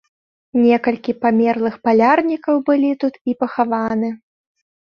Некалькі памерлых палярнікаў былі тут і пахаваны.